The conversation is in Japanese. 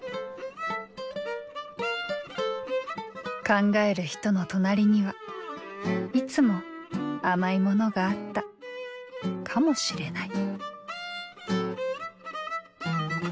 考える人の隣にはいつも甘いものがあったかもしれない。